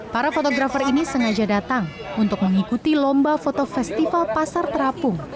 para fotografer ini sengaja datang untuk mengikuti lomba foto festival pasar terapung